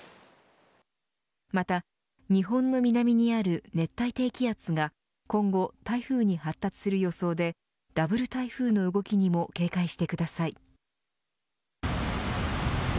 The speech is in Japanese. また日本の南にある熱帯低気圧が今後、台風に発達する予想でダブル台風の動きにも警戒してください。